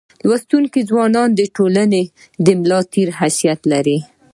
لوستي ځوانان دټولني دملا دتیر حیثیت لري.